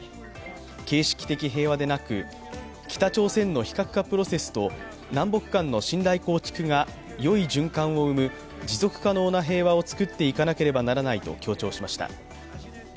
形式的平和でなく北朝鮮の非核化プロセスと南北間の信頼構築がよい循環を生む持続可能な平和をつくっていかなければならないと強調しました。